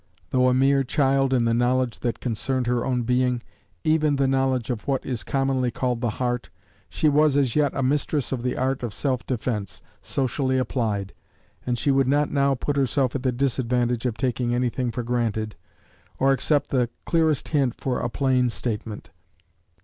Though a mere child in the knowledge that concerned her own being, even the knowledge of what is commonly called the heart, she was yet a mistress of the art of self defense, socially applied, and she would not now put herself at the disadvantage of taking anything for granted, or accept the clearest hint for a plain statement.